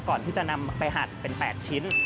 ก่อนที่จะนำไปหัดเป็น๘ชิ้น